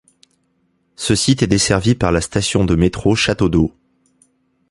Ce site est desservi par la station de métro Château d'Eau.